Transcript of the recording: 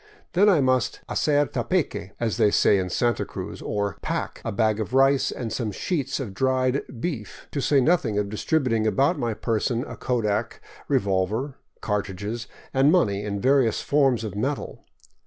Then I must *' hacer tapeque," as they say in Santa Cruz, or " pack " a bag of rice and some sheets of sun dried beef, to say nothing of distributing about my person a kodak, revolver, cartridges, and money in various forms of metal.